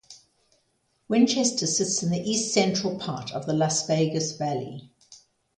Winchester sits in the east-central part of the Las Vegas Valley.